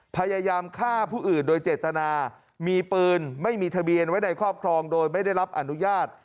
พยายามฆ่าผู้อื่นโดยเจตนามีปืนไม่มีทะเบียนไว้ในครอบครองโดยไม่ได้รับอนุญาต